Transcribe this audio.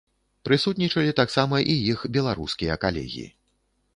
Прысутнічалі таксама і іх беларускія калегі.